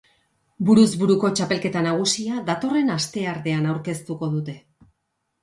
Buruz buruko txapelketa nagusia datorren asteartean aurkeztuko dute.